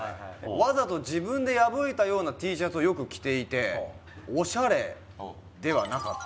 「わざと自分で破いたようなＴシャツをよく着ていてオシャレではなかった」